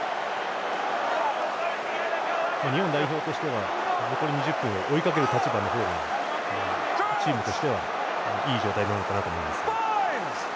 日本代表としては残り２０分を追いかける立場の方がチームとしてはいい状態なのかなと思います。